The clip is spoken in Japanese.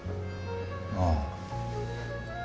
ああ。